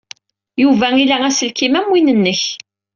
Yuba ila aselkim am win-nnek.